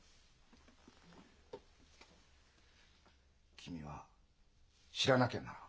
君は知らなきゃならん。